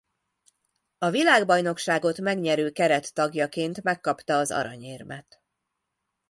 A világbajnokságot megnyerő keret tagjaként megkapta az aranyérmet.